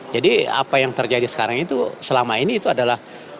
jadi apa yang terjadi sekarang itu selama ini itu adalah